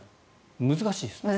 難しいですね。